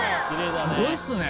すごいっすね。